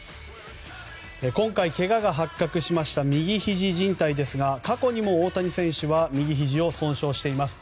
今回、けがが発覚しました右ひじじん帯ですが過去にも大谷選手は右ひじを損傷しています。